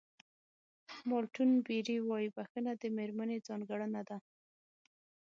مالټون بېري وایي بښنه د مېرمنې ځانګړنه ده.